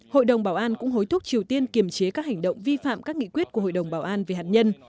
hội đồng bảo an cũng hối thúc triều tiên kiềm chế các hành động vi phạm các nghị quyết của hội đồng bảo an về hạt nhân